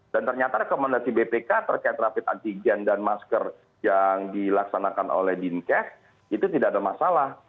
dan ternyata rekomendasi bpk terkait rapid antigen dan masker yang dilaksanakan oleh dinkes itu tidak ada masalah